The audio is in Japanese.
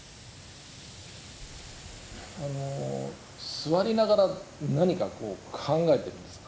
坐りながら何かこう考えてるんですか？